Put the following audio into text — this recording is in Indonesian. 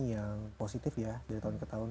yang positif ya dari tahun ke tahun